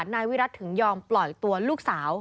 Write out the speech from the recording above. นายวิรัติถึงยอมปล่อยตัวลูกสาว